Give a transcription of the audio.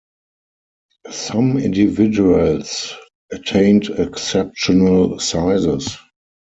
Some individuals attained exceptional sizes.